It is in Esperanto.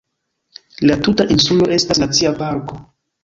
La tuta insulo estas nacia parko.